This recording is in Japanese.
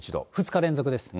２日連続です。